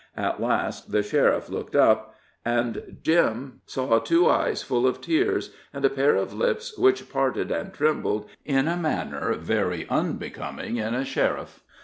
At last the sheriff looked up, and Jim saw two eyes full of tears, and a pair of lips which parted and trembled in a manner very unbecoming in a sheriff.